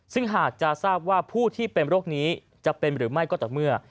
ซึ่งหากจะทราบว่าผู้ที่เป็นโรคนี้จะเป็นหรือไม่ก็ต่อเมื่อ